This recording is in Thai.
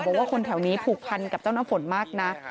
บอกว่าคนแถวนี้ผูกพันกับเจ้าน้ำฝนมากนะ